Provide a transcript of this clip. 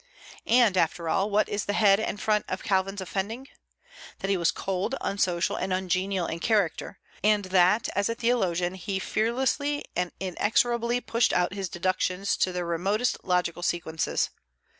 And, after all, what is the head and front of Calvin's offending? that he was cold, unsocial, and ungenial in character; and that, as a theologian, he fearlessly and inexorably pushed out his deductions to their remotest logical sequences.